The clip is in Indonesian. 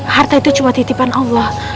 harta itu cuma titipan allah